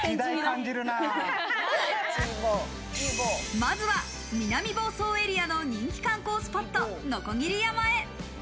まずは南房総エリアの人気観光スポット、鋸山へ。